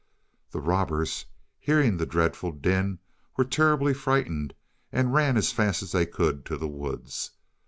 The robbers, hearing the dreadful din, were terribly frightened, and ran as fast as they could to the woods.